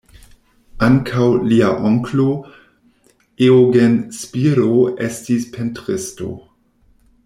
Ankaŭ lia onklo, Eugen Spiro estis pentristo.